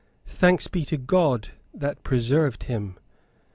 Thanks be to God that preserved him."